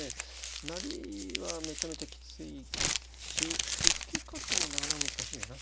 成りはめちゃめちゃきついし受け方はなかなか難しいかな。